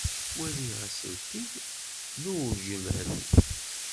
Wali aselkin n uwgelhen.